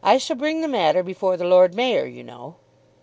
I shall bring the matter before the Lord Mayor, you know."